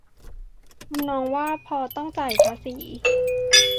ทำนองว่า พอต้องจ่ายภาษี